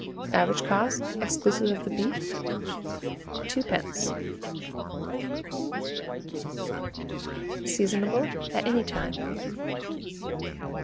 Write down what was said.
Average cost, exclusive of the beef, 2d. Seasonable at any time.